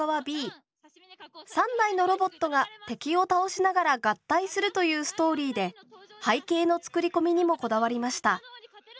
３台のロボットが敵を倒しながら合体するというストーリーで背景の作り込みにもこだわりました。